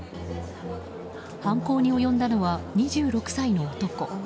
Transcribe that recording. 犯行に及んだのは２６歳の男。